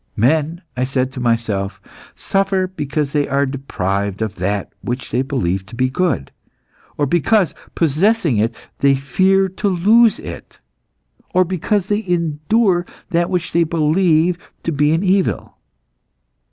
'Men,' I said to myself, 'suffer because they are deprived of that which they believe to be good; or because, possessing it they fear to lose it; or because they endure that which they believe to be an evil.